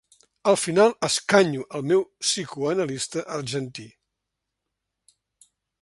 Al final escanyo el meu psicoanalista argentí.